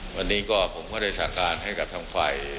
วันนี้ก็ผมก็ได้สร้างการให้กับทำไฟ